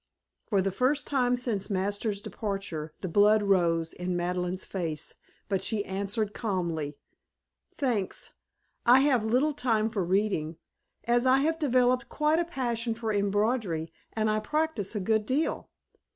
For the first time since Masters' departure the blood rose in Madeleine's face, but she answered calmly: "Thanks. I have little time for reading, as I have developed quite a passion for embroidery and I practice a good deal.